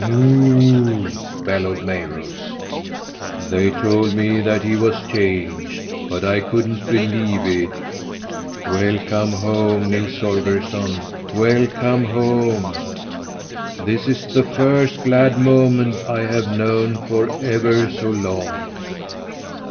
"Moo!" bellowed Mayrose. "They told me that he was changed, but I couldn't believe it. Welcome home, Nils Holgersson! Welcome home! This is the first glad moment I have known for ever so long!"